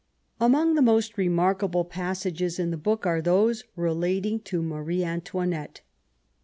Among the most remarkable passages in the book are those relating to Marie Antoinette.